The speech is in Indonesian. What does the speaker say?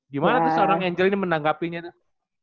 gimana tuh seorang angel ini menanggapinya tuh